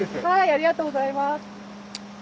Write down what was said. ありがとうございます。